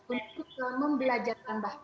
untuk membelajarkan bahasa